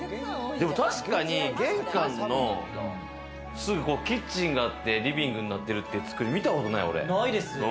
確かに玄関のすぐキッチンがあってリビングになってるっていう作り見たことない、俺。